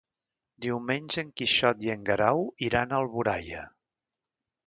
Diumenge en Quixot i en Guerau iran a Alboraia.